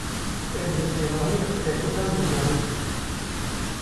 Ez bi tevahiya kitekitan dizanim.